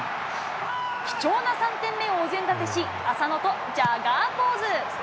貴重な３点目をお膳立てし、浅野とジャガーポーズ。